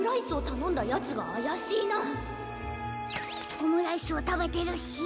オムライスをたべてるし。